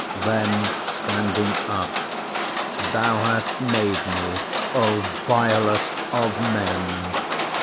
Then standing up, Thou hast made me, O vilest of men!